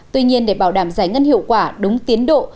tuy nhiên để bảo đảm giải ngân hiệu quả đúng tiến độ